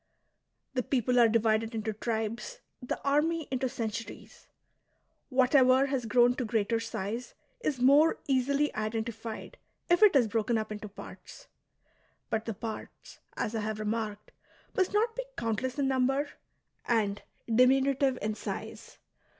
The people are divided into tribes, the army into centuries. Whatever has grown to greater size is more easily identified if it is broken up into parts ; but the parts, as I have remarked, must not be countless in number and diminutive in size.